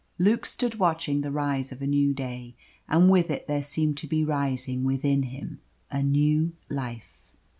Luke stood watching the rise of a new day, and with it there seemed to be rising within him a new life.